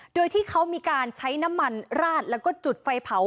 โดยที่เขามีการใช้น้ำมันราดแล้วก็จุดไฟเผา